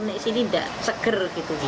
santan ini tidak segar